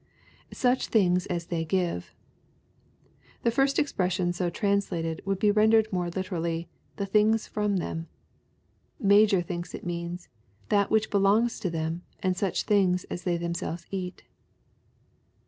[Siich things as they give.] The first expression so translated would be rendered more literally, "The things from them." Major thinks it means, " That which belongs to them, and such things as they themselves eat."